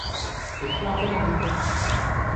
Etrafına bir bak.